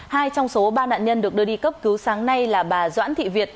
hai trong số ba nạn nhân được đưa đi cấp cứu sáng nay là bà doãn thị việt